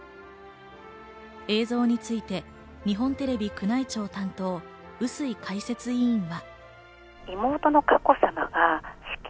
映像について日本テレビ宮内庁担当・笛吹解説委員は。